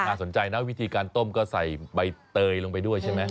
สนใจนะวิธีการต้มก็ใส่ใบเตยลงไปด้วยใช่ไหม